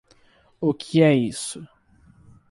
O que é isso